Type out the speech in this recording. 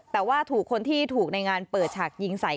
แต่ว่าถูกคนที่ถูกในงานเปิดฉากยิงใส่